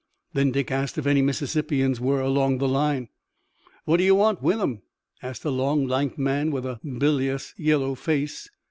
Then Dick asked if any Mississippians were along the line. "What do you want with 'em?" asked a long, lank man with a bilious yellow face.